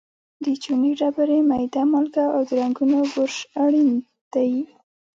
د چونې ډبرې، میده مالګه او د رنګولو برش اړین دي.